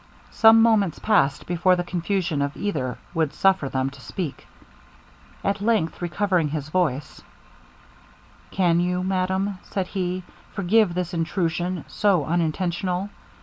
Some moments passed before the confusion of either would suffer them to speak. At length recovering his voice, 'Can you, madam,' said he, 'forgive this intrusion, so unintentional?